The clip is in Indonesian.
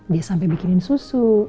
dia sampai bikinin susu